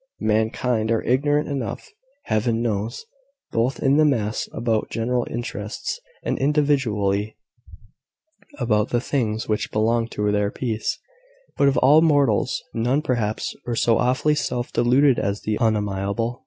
Mankind are ignorant enough, Heaven knows, both in the mass, about general interests, and individually, about the things which belong to their peace: but of all mortals, none perhaps are so awfully self deluded as the unamiable.